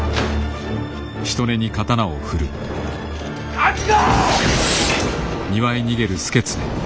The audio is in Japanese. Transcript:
覚悟！